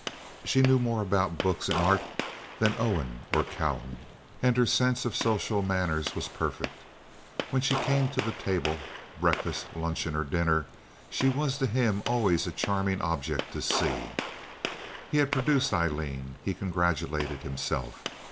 She knew more about books and art than Owen or Callum, and her sense of social manners was perfect. When she came to the table—breakfast, luncheon, or dinner—she was to him always a charming object to see. He had produced Aileen—he congratulated himself.